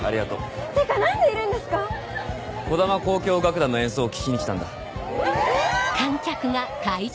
児玉交響楽団の演奏を聴きにきたんだえ！